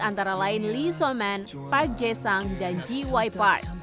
antara lain lee so man park jae sang dan g y park